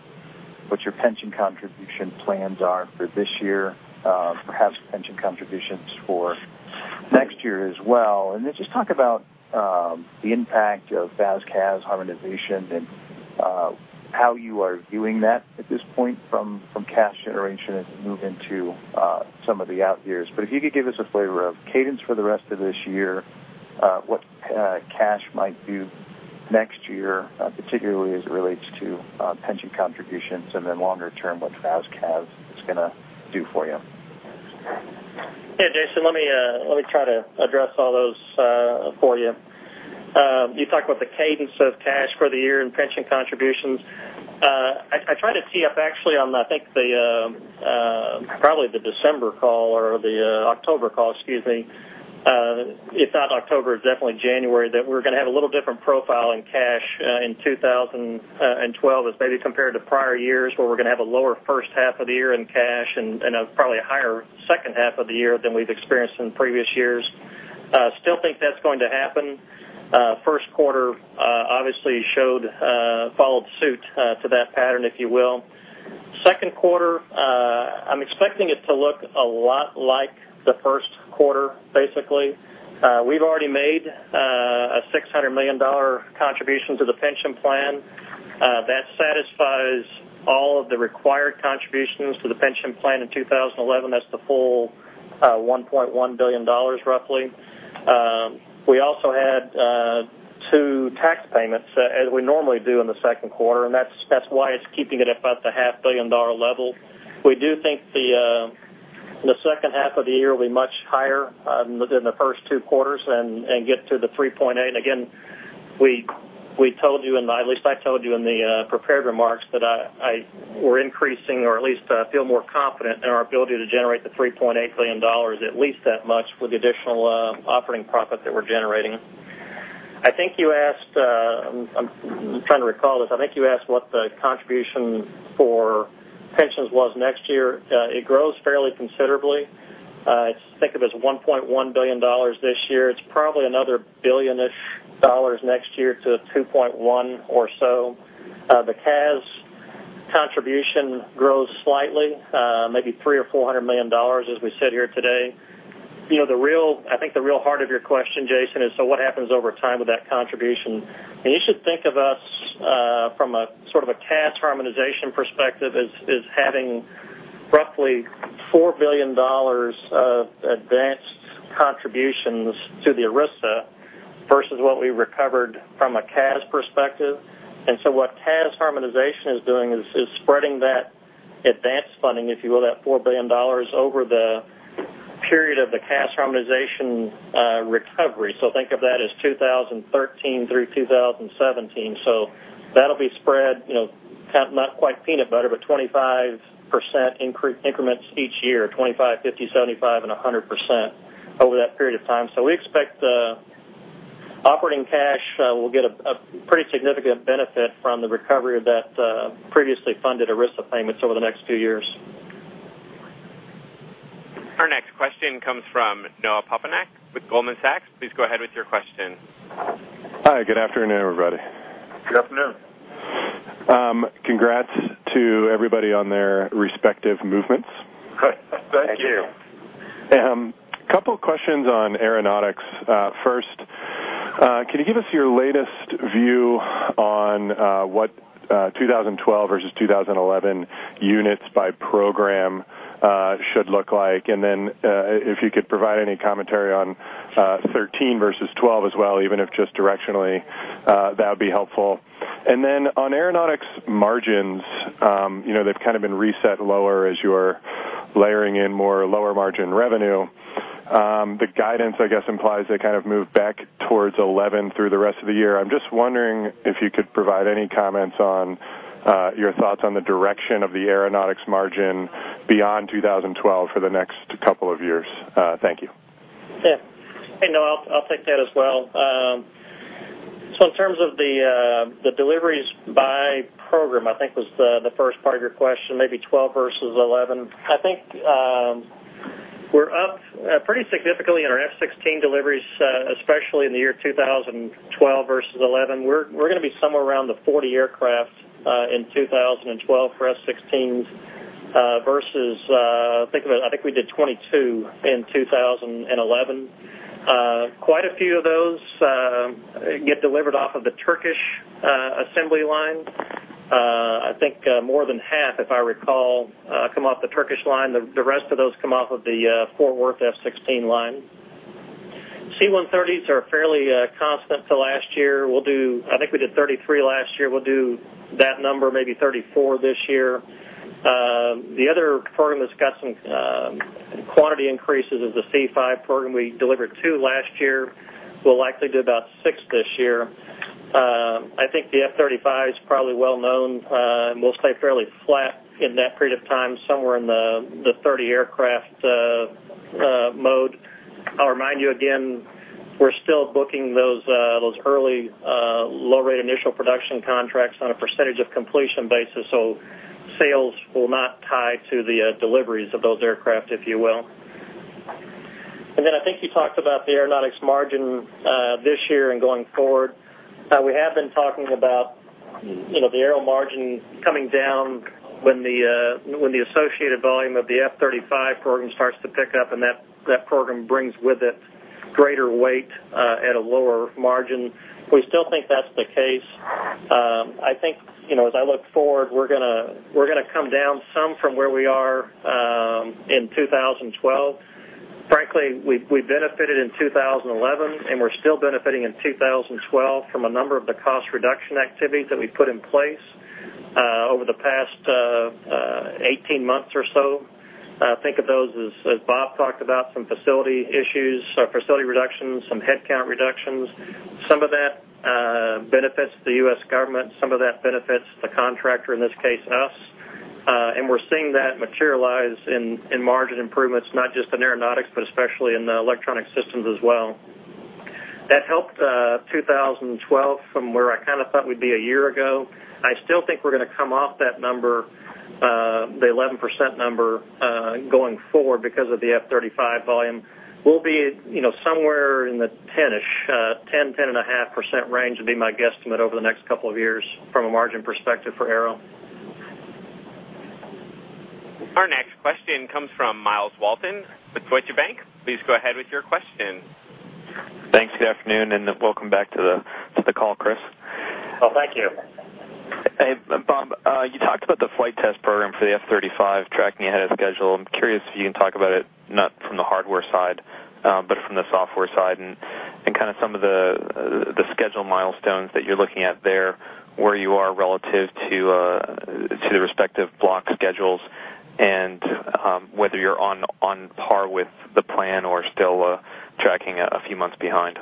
what your pension contribution plans are for this year, perhaps pension contributions for next year as well, and then just talk about the impact of CAS harmonization and how you are viewing that at this point from cash generation as we move into some of the out years. If you could give us a flavor of cadence for the rest of this year, what cash might do next year, particularly as it relates to pension contributions, and then longer term, what CAS is going to do for you. Yeah, Jason, let me try to address all those for you. You talk about the cadence of cash for the year and pension contributions. I tried to tee up actually on, I think, probably the December call or the October call, excuse me. If not October, definitely January, that we were going to have a little different profile in cash in 2012 as maybe compared to prior years where we're going to have a lower first half of the year in cash and probably a higher second half of the year than we've experienced in previous years. I still think that's going to happen. First quarter obviously followed suit to that pattern, if you will. Second quarter, I'm expecting it to look a lot like the first quarter, basically. We've already made a $600 million contribution to the pension plan. That satisfies all of the required contributions to the pension plan in 2011. That's the full $1.1 billion roughly. We also had two tax payments as we normally do in the second quarter, and that's why it's keeping it at about the half billion dollar level. We do think the second half of the year will be much higher than the first two quarters and get to the $3.8 billion. Again, we told you, and at least I told you in the prepared remarks that we're increasing or at least feel more confident in our ability to generate the $3.8 billion, at least that much with the additional operating profit that we're generating. I think you asked, I'm trying to recall this, I think you asked what the contribution for pensions was next year. It grows fairly considerably. I think of it as $1.1 billion this year. It's probably another billion-ish dollars next year to $2.1 billion or so. The CAS contribution grows slightly, maybe $300million or $400 million as we sit here today. You know, I think the real heart of your question, Jason, is what happens over time with that contribution. You should think of us from a sort of a CAS harmonization perspective as having roughly $4 billion advanced contributions to the ERISA versus what we recovered from a CAS perspective. What CAS harmonization is doing is spreading that advanced funding, if you will, that $4 billion over the period of the CAS harmonization recovery. Think of that as 2013 through 2017. That'll be spread, you know, not quite peanut butter, but 25% increments each year, 25%, 50%, 75%, and 100% over that period of time. We expect the operating cash will get a pretty significant benefit from the recovery of that previously funded ERISA payments over the next few years. Our next question comes from Noah Poponak with Goldman Sachs. Please go ahead with your question. Hi, good afternoon, everybody. Good afternoon. Congrats to everybody on their respective movements. Thank you. A couple of questions on Aeronautics. First, can you give us your latest view on what 2012 versus 2011 units by program should look like? If you could provide any commentary on 2013 vs 2012 as well, even if just directionally, that would be helpful. On Aeronautics margins, you know, they've kind of been reset lower as you are layering in more lower margin revenue. The guidance, I guess, implies they kind of move back towards 2011 through the rest of the year. I'm just wondering if you could provide any comments on your thoughts on the direction of the Aeronautics margin beyond 2012 for the next couple of years. Thank you. Yeah. Hey, Noah, I'll take that as well. In terms of the deliveries by program, I think that was the first part of your question, maybe 2012 versus 2011. I think we're up pretty significantly in our F-16 deliveries, especially in the year 2012 versus 2011. We're going to be somewhere around 40 aircraft in 2012 for F-16s versus, think of it, I think we did 22 in 2011. Quite a few of those get delivered off of the Turkish assembly line. I think more than half, if I recall, come off the Turkish line. The rest of those come off of the Fort Worth F-16 line. C-130s are fairly constant to last year. I think we did 33 last year. We'll do that number, maybe 34 this year. The other program that's got some quantity increases is the C-5 program. We delivered two last year. We'll likely do about six this year. I think the F-35s, probably well known, and we'll stay fairly flat in that period of time, somewhere in the 30 aircraft mode. I'll remind you again, we're still booking those early low-rate initial production contracts on a percentage of completion basis, so sales will not tie to the deliveries of those aircraft, if you will. I think you talked about the aeronautics margin this year and going forward. We have been talking about the aeronautics margins coming down when the associated volume of the F-35 program starts to pick up, and that program brings with it greater weight at a lower margin. We still think that's the case. I think, as I look forward, we're going to come down some from where we are in 2012. Frankly, we benefited in 2011, and we're still benefiting in 2012 from a number of the cost reduction activities that we've put in place over the past 18 months or so. Think of those as Bob talked about, some facility issues, facility reductions, some headcount reductions. Some of that benefits the U.S. government. Some of that benefits the contractor, in this case, us. We're seeing that materialize in margin improvements, not just in aeronautics, but especially in the electronic systems as well. That helped 2012 from where I kind of thought we'd be a year ago. I still think we're going to come off that number, the 11% number going forward because of the F-35 volume. We'll be somewhere in the 10%, 10.5% range would be my guesstimate over the next couple of years from a margin perspective for aeronautics. Our next question comes from Myles Walton with Deutsche Bank. Please go ahead with your question. Thanks. Good afternoon, and welcome back to the call, Chris. Thank you. Hey, Bob, you talked about the flight test program for the F-35 tracking ahead of schedule. I'm curious if you can talk about it, not from the hardware side, but from the software side and some of the schedule milestones that you're looking at there, where you are relative to the respective block schedules and whether you're on par with the plan or still tracking a few months behind.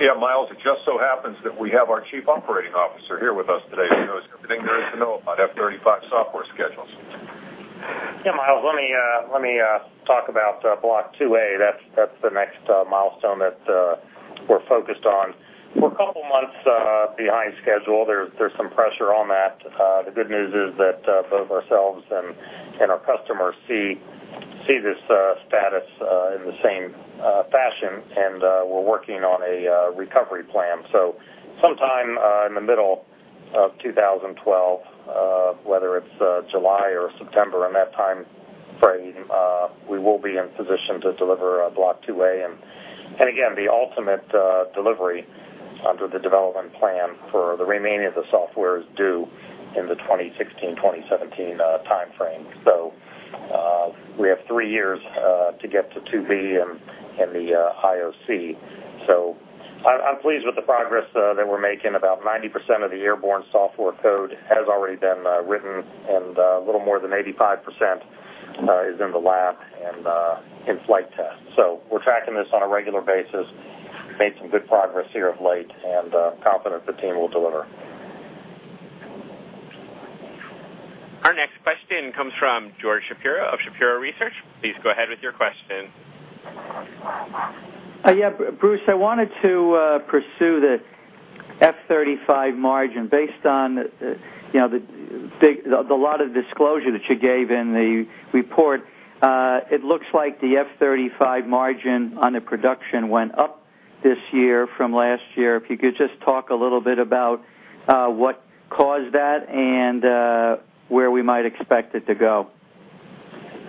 Yeah, Myles, it just so happens that we have our Chief Operating Officer here with us today to go through everything there is to know about F-35 software schedules. Yeah, Myles, let me talk about Block 2A. That's the next milestone that we're focused on. We're a couple of months behind schedule. There's some pressure on that. The good news is that both ourselves and our customers see this status in the same fashion, and we're working on a recovery plan. Sometime in the middle of 2012, whether it's July or September in that time frame, we will be in position to deliver Block 2A. Again, the ultimate delivery under the development plan for the remaining of the software is due in the 2016-2017 time frame. We have three years to get to 2B and the IOC. I'm pleased with the progress that we're making. About 90% of the airborne software code has already been written, and a little more than 85% is in the lab and in flight tests. We're tracking this on a regular basis. We've made some good progress here of late and confident the team will deliver. Our next question comes from George Shapiro of Shapiro Research. Please go ahead with your question. Yeah, Bruce, I wanted to pursue the F-35 margin based on, you know, a lot of the disclosure that you gave in the report. It looks like the F-35 margin on the production went up this year from last year. If you could just talk a little bit about what caused that and where we might expect it to go.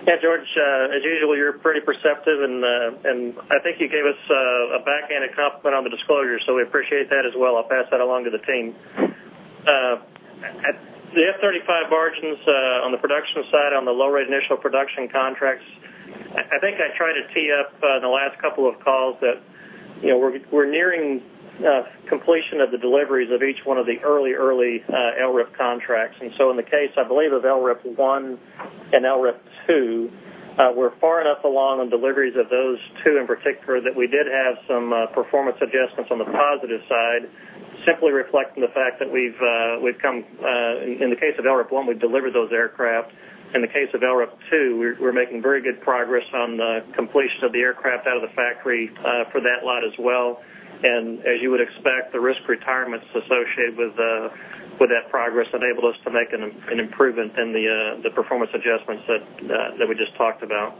Yeah, George, as usual, you're pretty perceptive, and I think you gave us a backhanded compliment on the disclosure, so we appreciate that as well. I'll pass that along to the team. The F-35 margins on the production side, on the low-rate initial production contracts, I think I tried to tee up in the last couple of calls that we're nearing completion of the deliveries of each one of the early, early LRIP contracts. In the case, I believe, of LRIP 1 and LRIP 2, we're far enough along on deliveries of those two in particular that we did have some performance adjustments on the positive side, simply reflecting the fact that we've come, in the case of LRIP 1, we've delivered those aircraft. In the case of LRIP 2, we're making very good progress on the completion of the aircraft out of the factory for that lot as well. As you would expect, the risk retirements associated with that progress enabled us to make an improvement in the performance adjustments that we just talked about.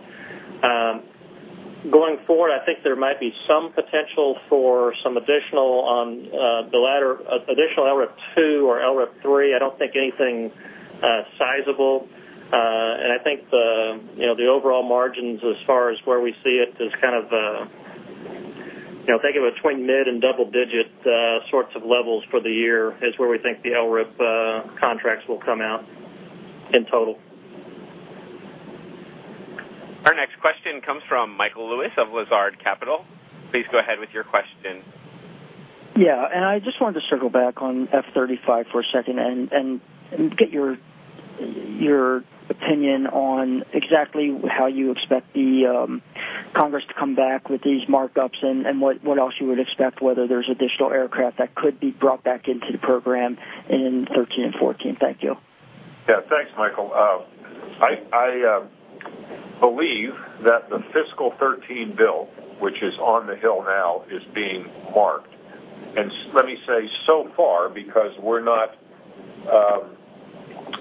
Going forward, I think there might be some potential for some additional on the latter, additional LRIP 2 or LRIP 3. I don't think anything sizable, and I think the overall margins as far as where we see it is kind of, you know, think of it between mid and double-digit sorts of levels for the year is where we think the LRIP contracts will come out in total. Our next question comes from Michael Lewis of Lazard Capital. Please go ahead with your question. Yeah, I just wanted to circle back on F-35 for a second and get your opinion on exactly how you expect the Congress to come back with these markups and what else you would expect, whether there's additional aircraft that could be brought back into the program in 2013 and 2014. Thank you. Yeah, thanks, Michael. I believe that the fiscal 2013 bill, which is on the Hill now, is being marked. Let me say so far, because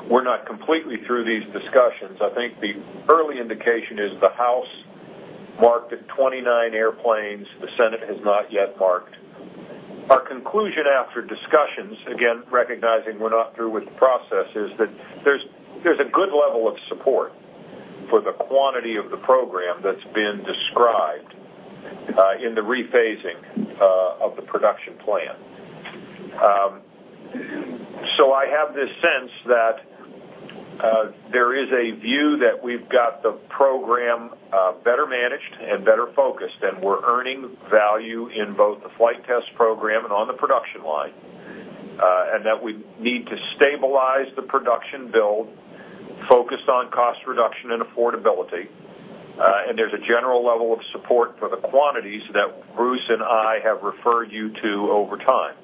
we're not completely through these discussions, I think the early indication is the House marked at 29 airplanes. The Senate has not yet marked. Our conclusion after discussions, again, recognizing we're not through with the process, is that there's a good level of support for the quantity of the program that's been described in the rephasing of the production plan. I have this sense that there is a view that we've got the program better managed and better focused, and we're earning value in both the flight test program and on the production line, and that we need to stabilize the production bill focused on cost reduction and affordability. There's a general level of support for the quantities that Bruce and I have referred you to over time.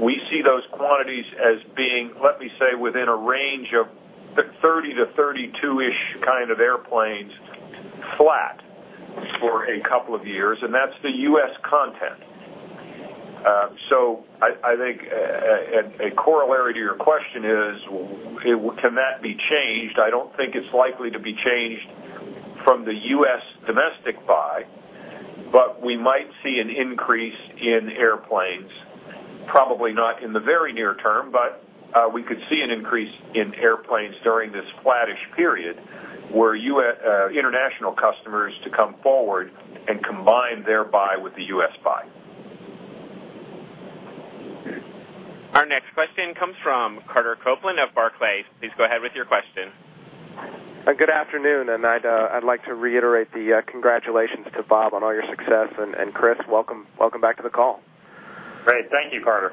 We see those quantities as being, let me say, within a range of 30-32-ish kind of airplanes flat for a couple of years, and that's the U.S. content. I think a corollary to your question is, can that be changed? I don't think it's likely to be changed from the U.S. domestic buy, but we might see an increase in airplanes, probably not in the very near term, but we could see an increase in airplanes during this flattish period for international customers to come forward and combine their buy with the U.S. buy. Our next question comes from Carter Copeland of Barclays. Please go ahead with your question. Good afternoon, I'd like to reiterate the congratulations to Bob on all your success. Chris, welcome back to the call. Great. Thank you, Carter.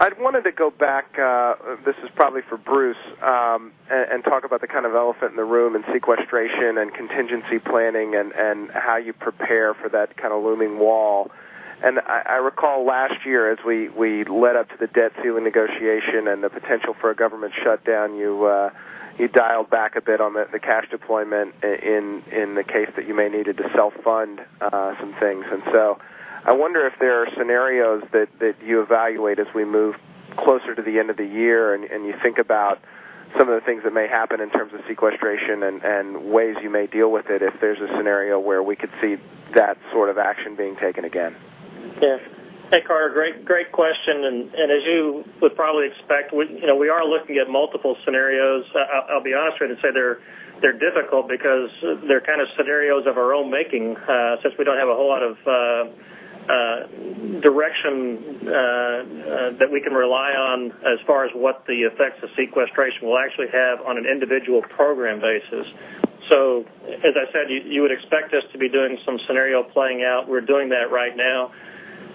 I wanted to go back, this is probably for Bruce, and talk about the kind of elephant in the room, sequestration, and contingency planning and how you prepare for that kind of looming wall. I recall last year, as we led up to the debt ceiling negotiation and the potential for a government shutdown, you dialed back a bit on the cash deployment in the case that you may need to self-fund some things. I wonder if there are scenarios that you evaluate as we move closer to the end of the year and you think about some of the things that may happen in terms of sequestration and ways you may deal with it if there's a scenario where we could see that sort of action being taken again. Yeah, hey, Carter, great question. As you would probably expect, we are looking at multiple scenarios. I'll be honest with you and say they're difficult because they're kind of scenarios of our own making since we don't have a whole lot of direction that we can rely on as far as what the effects of sequestration will actually have on an individual program basis. As I said, you would expect us to be doing some scenario playing out. We're doing that right now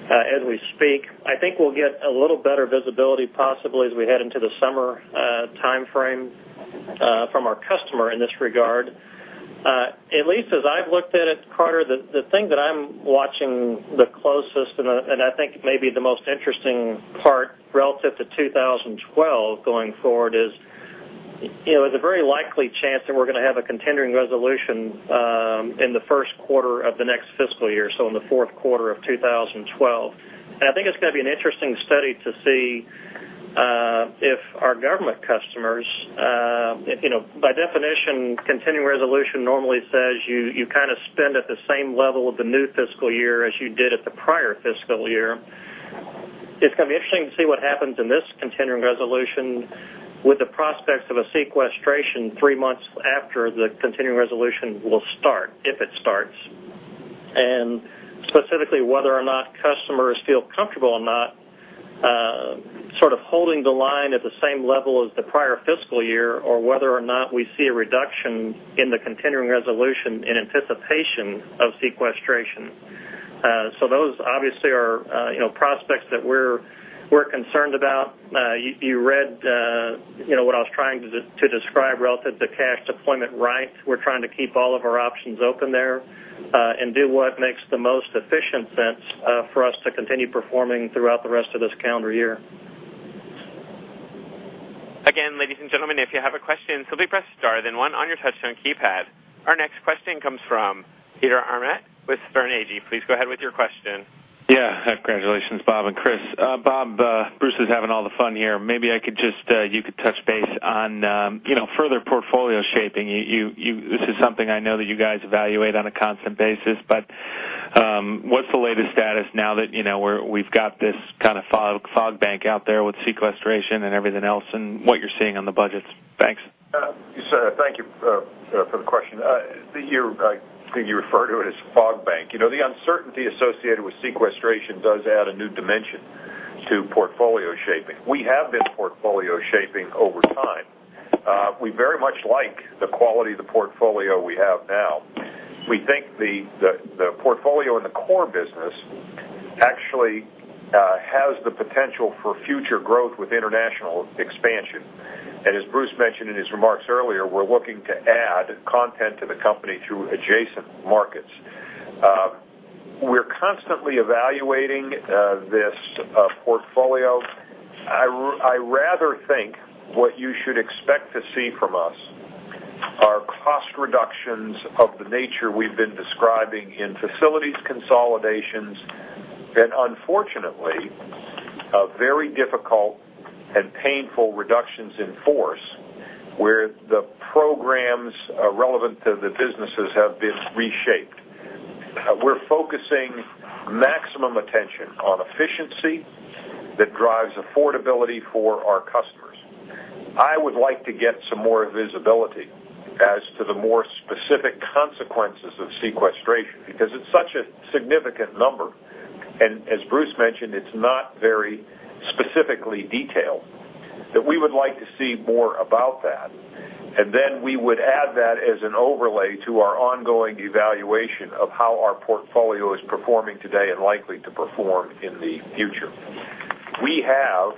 as we speak. I think we'll get a little better visibility possibly as we head into the summer time frame from our customer in this regard. At least as I've looked at it, Carter, the thing that I'm watching the closest and I think maybe the most interesting part relative to 2012 going forward is, you know, there's a very likely chance that we're going to have a continuing resolution in the first quarter of the next fiscal year, so in the fourth quarter of 2012. I think it's going to be an interesting study to see if our government customers, by definition, continuing resolution normally says you kind of spend at the same level of the new fiscal year as you did at the prior fiscal year. It's going to be interesting to see what happens in this continuing resolution with the prospects of a sequestration three months after the continuing resolution will start, if it starts, and specifically whether or not customers feel comfortable or not sort of holding the line at the same level as the prior fiscal year or whether or not we see a reduction in the continuing resolution in anticipation of sequestration. Those obviously are prospects that we're concerned about. You read what I was trying to describe relative to cash deployment right. We're trying to keep all of our options open there and do what makes the most efficient sense for us to continue performing throughout the rest of this calendar year. Again, ladies and gentlemen, if you have a question, simply press star then one on your touch-tone keypad. Our next question comes from Peter Arment with Bernstein. Please go ahead with your question. Yeah, congratulations, Bob and Chris. Bob, Bruce is having all the fun here. Maybe you could touch base on further portfolio shaping. This is something I know that you guys evaluate on a constant basis, but what's the latest status now that we've got this kind of fog bank out there with sequestration and everything else and what you're seeing on the budgets? Thanks. Thank you for the question. The year, I think you referred to it as fog bank. The uncertainty associated with sequestration does add a new dimension to portfolio shaping. We have been portfolio shaping over time. We very much like the quality of the portfolio we have now. We think the portfolio in the core business actually has the potential for future growth with international expansion. As Bruce mentioned in his remarks earlier, we're looking to add content to the company through adjacent markets. We're constantly evaluating this portfolio. I rather think what you should expect to see from us are cost reductions of the nature we've been describing in facilities consolidations and, unfortunately, very difficult and painful reductions in force where the programs relevant to the businesses have been reshaped. We're focusing maximum attention on efficiency that drives affordability for our customers. I would like to get some more visibility as to the more specific consequences of sequestration because it's such a significant number. As Bruce mentioned, it's not very specifically detailed that we would like to see more about that, and then we would add that as an overlay to our ongoing evaluation of how our portfolio is performing today and likely to perform in the future. We have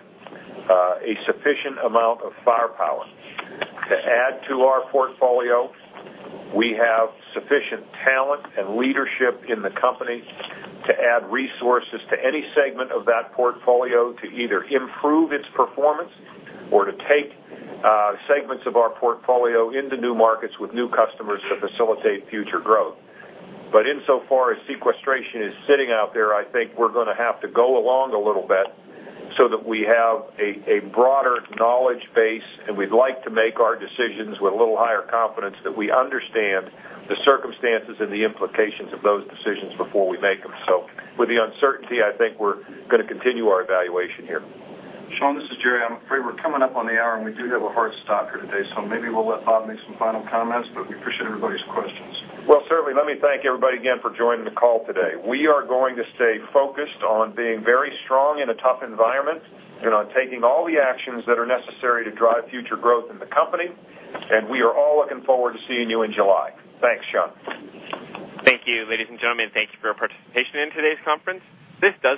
a sufficient amount of firepower to add to our portfolio. We have sufficient talent and leadership in the company to add resources to any segment of that portfolio to either improve its performance or to take segments of our portfolio into new markets with new customers to facilitate future growth. Insofar as sequestration is sitting out there, I think we're going to have to go along a little bit so that we have a broader knowledge base, and we'd like to make our decisions with a little higher confidence that we understand the circumstances and the implications of those decisions before we make them. With the uncertainty, I think we're going to continue our evaluation here. Sean, this is Jerry. I'm afraid we're coming up on the hour, and we do have a hard stop here today, so maybe we'll let Bob make some final comments. We appreciate everybody's questions. Certainly. Let me thank everybody again for joining the call today. We are going to stay focused on being very strong in a tough environment and on taking all the actions that are necessary to drive future growth in the company, and we are all looking forward to seeing you in July. Thanks, Sean. Thank you, ladies and gentlemen. Thank you for your participation in today's conference. This does it.